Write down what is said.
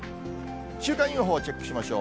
週間予報、チェックしましょう。